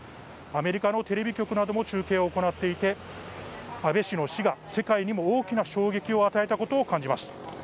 アメリカのテレビ局なども中継を行っていて、安倍氏の死が世界にも大きな衝撃を与えたことを感じます。